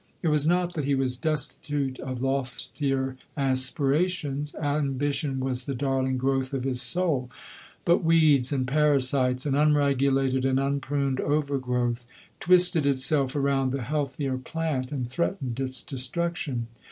It was not that he was destitute of loftier aspirations. Ambition was the darling growth of his soul — but weeds and parasites, an unre gulated and unpruned overgrowth, twisted itself around the healthier plant, and threatened its destruction.